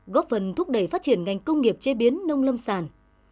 góp phần thúc đẩy phát triển ngành công nghiệp chế biến nông lâm sản